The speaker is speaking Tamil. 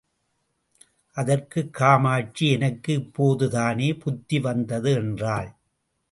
அதற்கு காமாட்சி, எனக்கு இப்போதுதானே புத்தி வந்தது என்றாள்.